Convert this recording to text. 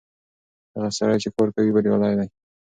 هغه سړی چې کار کوي بريالی دی.